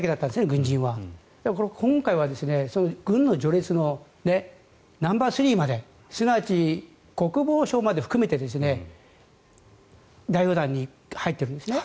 軍人は今回は軍の序列のナンバースリーまですなわち国防相まで含めて代表団に入ってるんですね。